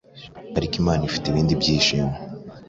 Ariko Imana ifite ibindi byishimo.